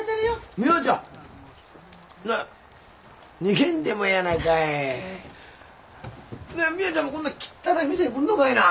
美羽ちゃんもこんな汚い店に来んのかいな。